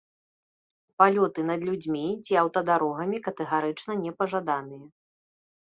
Палёты над людзьмі ці аўтадарогамі катэгарычна не пажаданыя.